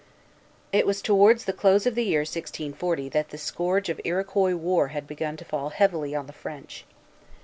It was towards the close of the year 1640 that the scourge of Iroquois war had begun to fall heavily on the French.